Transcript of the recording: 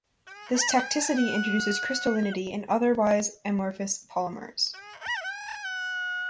This tacticity introduces crystallinity in otherwise amorphous polymers.